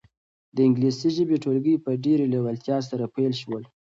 د انګلیسي ژبې ټولګي په ډېرې لېوالتیا سره پیل شول.